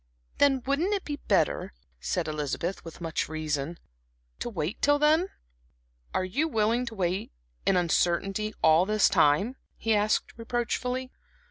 "Then wouldn't it be better," said Elizabeth, with much reason, "to wait till then?" "Are you willing to wait in uncertainty all this time?" he asked, reproachfully.